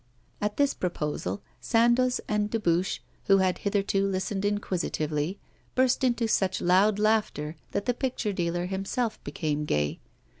At this proposal Sandoz and Dubuche, who had hitherto listened inquisitively, burst into such loud laughter that the picture dealer himself became gay.